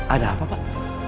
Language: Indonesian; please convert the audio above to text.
ada apa pak